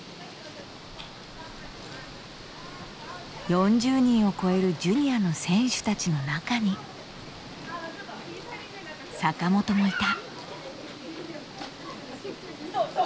４０人を超えるジュニアの選手たちの中に坂本もいた。